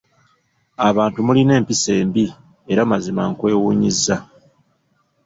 Abantu mulina empisa embi! Era mazima nkwewuunyizza!